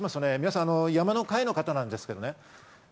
皆さん、山の会の方なんですね。